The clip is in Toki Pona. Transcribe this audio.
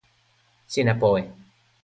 sina powe.